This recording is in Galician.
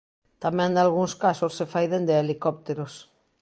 Tamén nalgúns casos se fai dende helicópteros.